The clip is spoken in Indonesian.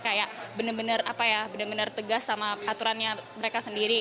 kayak benar benar tegas sama aturannya mereka sendiri